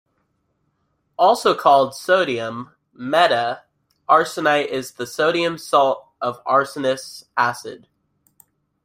Also called sodium "meta"-arsenite, it is the sodium salt of arsenous acid.